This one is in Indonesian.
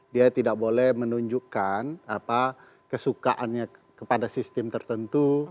dia tidak boleh menunjukkan kesukaannya kepada sistem tertentu